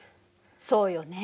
そうよね。